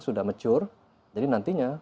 sudah mature jadi nantinya